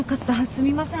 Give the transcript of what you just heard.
すみません。